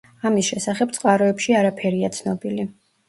ამის შესახებ წყაროებში არაფერია ცნობილი.